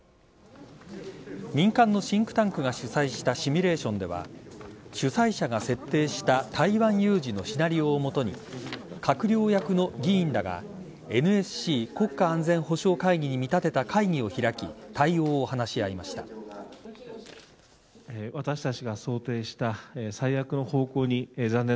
民間のシンクタンクが主催したシミュレーションでは主催者が設定した台湾有事のシナリオをもとに閣僚役の議員らがＮＳＣ＝国家安全保障会議に見立てた会議を開き対応を話し合いました。